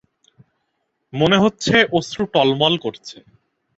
মনে হচ্ছে অশ্রু টলমল করছে।